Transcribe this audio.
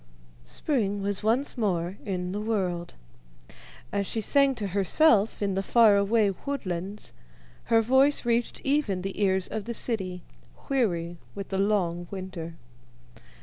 Spring was once more in the world. As she sang to herself in the faraway woodlands her voice reached even the ears of the city, weary with the long winter.